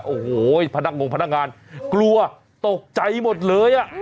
โอ้โหพนักงงพนักงานกลัวตกใจหมดเลยอ่ะ